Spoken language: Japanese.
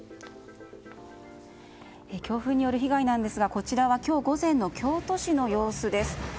強風による被害ですがこちらは今日午前の京都市の様子です。